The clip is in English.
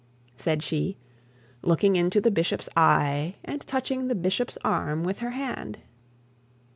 said she, looking into the bishop's eye, and touching the bishop's arm with her hand.